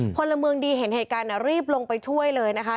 พลเมืองดีเห็นเหตุการณ์รีบลงไปช่วยเลยนะคะ